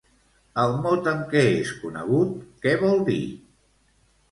El mot amb què és conegut, què vol dir?